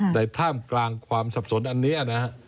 แต่ท่ามกลางความสับสนอันนี้นะฮะ